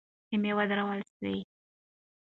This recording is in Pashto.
خېمې ودرول سوې.